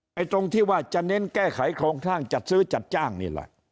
ตรงที่ว่าจะเน้นแก้ไขโครงสร้างจัดซื้อจัดจ้างนี่แหละ